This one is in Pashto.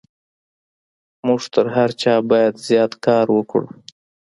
موږ تر هر چا بايد زيات کار وکړو.